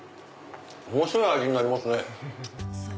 面白い味になりますね。